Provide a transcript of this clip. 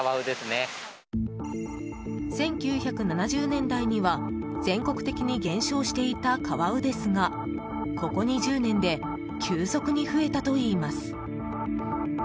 １９７０年代には全国的に減少していたカワウですがここ２０年で急速に増えたといいます。